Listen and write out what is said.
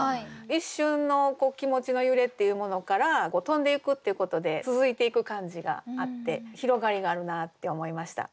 一瞬の気持ちの揺れっていうものから「飛んでゆく」っていうことで続いていく感じがあって広がりがあるなって思いました。